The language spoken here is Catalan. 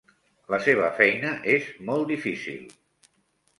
La seva feina és molt difícil.